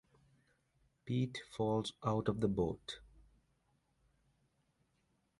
Pete falls out of the boat.